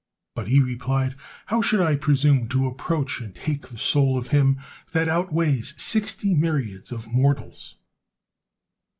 But he replied, "How should I presume to approach and take the soul of him that outweighs sixty myriads of mortals!"